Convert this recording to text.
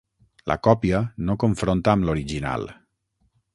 La còpia no confronta amb l'original.